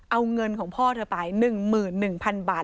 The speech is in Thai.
เอาเงินของพ่อเธอไป๑๑๐๐๐บาท